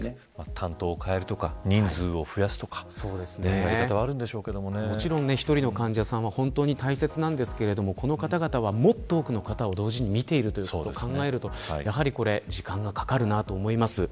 担当を変えるとか人数を増やすとかもちろん１人の患者さんは大切なんですけどこの方々はもっと多くの方を同時に診ていると考えるとやはり時間がかかると思います。